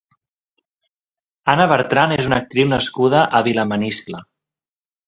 Anna Bertran és una actriu nascuda a Vilamaniscle.